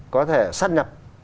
có thể sát nhập